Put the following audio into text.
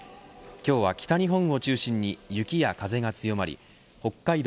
今日は北日本を中心に雪や風が強まり北海道